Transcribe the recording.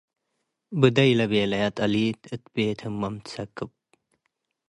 ብደይ ለቤለየ ጠሊት እት ቤት ህመም ትሰክብ።